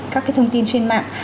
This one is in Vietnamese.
các thông tin trên mạng